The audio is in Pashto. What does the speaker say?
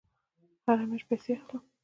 هره میاشت پیسې اخلم